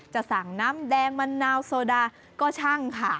จะสั่งน้ำแดงมะนาวโซดาก็ช่างค่ะ